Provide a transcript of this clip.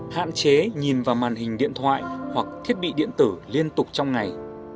hạn chế nhìn vào màn hình điện thoại hoặc thiết bị điện tử liên tục trong ngày